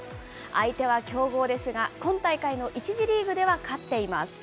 相手は強豪ですが、今大会の１次リーグでは勝っています。